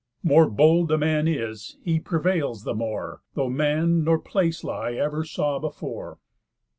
_More bold a man is, he prevails the more, Though man nor place lie ever saw before.